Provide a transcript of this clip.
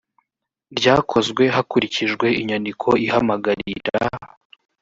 ryakozwe hakurikijwe inyandiko ihamagarira